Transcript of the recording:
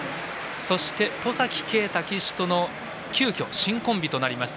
そして、戸崎圭太騎手との急きょ、新コンビとなります